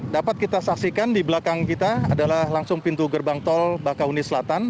dapat kita saksikan di belakang kita adalah langsung pintu gerbang tol bakauni selatan